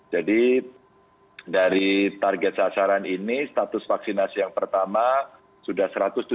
jadi dari target sasaran ini status vaksinasi yang pertama sudah satu ratus tujuh puluh sembilan tiga ratus dua puluh tiga